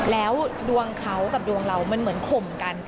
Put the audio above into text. แล้วดวงเขากับดวงเรามันเหมือนข่มกัน